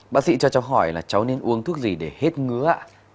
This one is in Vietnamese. bác sĩ cho cháu hỏi là cháu nên uống thuốc gì để hết ngứa ạ